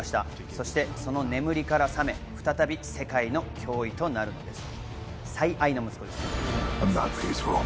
そしてその眠りから目覚め、再び世界の脅威となったのです。